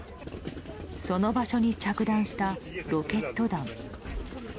その場所に着弾したロケット弾。